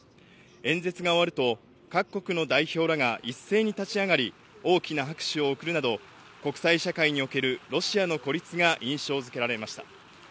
演説が終わると各国の代表らが一斉に立ち上がり、大きな拍手を送るなど、国際社会におけるロシアの孤立が印象づけられました。